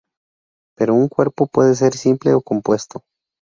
Pero un cuerpo puede ser simple o compuesto.